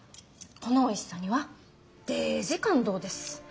このおいしさにはデージ感動です。